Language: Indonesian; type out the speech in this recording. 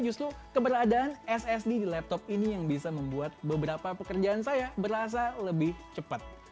justru keberadaan ssd di laptop ini yang bisa membuat beberapa pekerjaan saya berasa lebih cepat